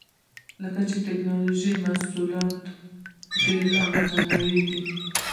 لکه څنګه چې د ټېکنالوجۍ محصولات ډېر او متنوع دي.